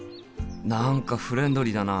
何かフレンドリーだな。